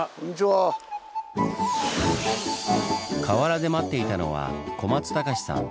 河原で待っていたのは小松隆史さん。